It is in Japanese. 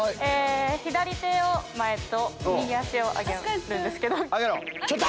左手を前と右脚を上げるんですけど。